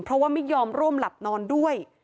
เพราะว่าไม่ยอมร่วมหลับนอนด้วย